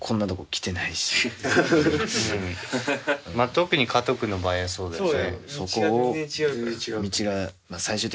特に加藤君の場合はそうだよね。